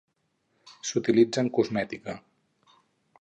S'utilitza en cosmètica.